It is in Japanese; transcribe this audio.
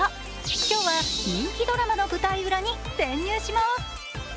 今日は人気ドラマの舞台裏に潜入します。